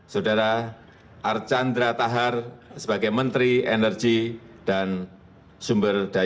saudara archandra tahar sebagai menteri energi dan sumber daya